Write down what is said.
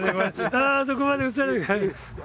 あそこまで写さないで。